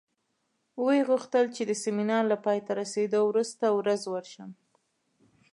ویې غوښتل چې د سیمینار له پای ته رسېدو وروسته ورځ ورشم.